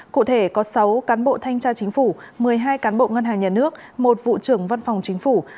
cụ thể có sáu cán bộ thanh tra chính phủ một mươi hai cán bộ ngân hàng nhà nước một vụ trưởng văn phòng chính phủ